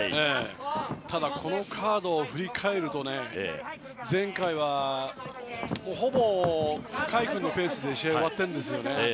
ただこのカードを振り返ると前回は、ほぼ海君のペースで試合が終わってるんですよね。